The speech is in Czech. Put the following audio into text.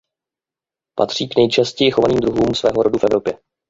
Patří k nejčastěji chovaným druhům svého rodu v Evropě.